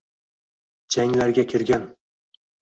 Janglarga kirgan!..